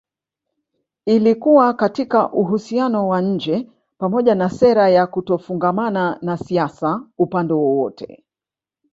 Ilikuwa katika uhusiano wa nje pamoja na sera ya kutofungamana na siasa upande wowote